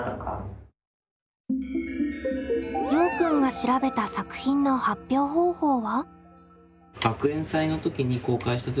ようくんが調べた作品の発表方法は？